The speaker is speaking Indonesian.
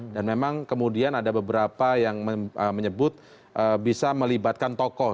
dan memang kemudian ada beberapa yang menyebut bisa melibatkan tokoh